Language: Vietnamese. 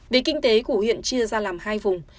vì kinh tế của huyện chia ra làm hai vùng